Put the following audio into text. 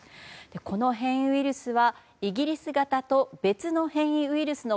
この変異ウイルスはイギリス型と別の変異ウイルスの